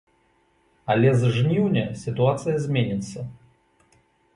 Але з жніўня сітуацыя зменіцца.